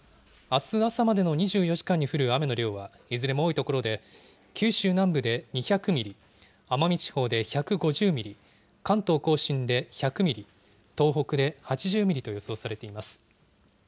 あす朝までの２４時間に降る雨の量は、いずれも多い所で、九州南部で２００ミリ、奄美地方で１５０ミリ、関東甲信で１００ミリ、東北で８０ミリと予想されています。